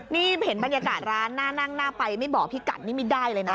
นี่เห็นบรรยากาศร้านหน้านั่งหน้าไปไม่บอกพี่กัดนี่ไม่ได้เลยนะ